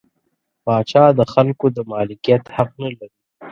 پاچا د خلکو د مالکیت حق نلري.